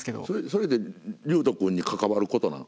それってりゅーと君に関わることなん？